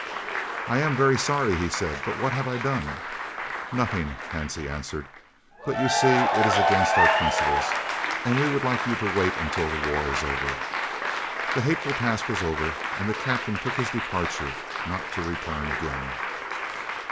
"I am very sorry," he said, "but what have I done?" "Nothing," Hansie answered, "but you see it is against our principles, and we would like you to wait until the war is over " The hateful task was over, and the Captain took his departure, not to return again.